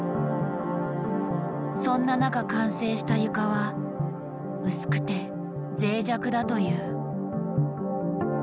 そんな中完成した床は薄くてぜい弱だという。